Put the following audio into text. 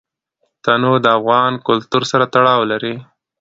تنوع د افغان کلتور سره تړاو لري.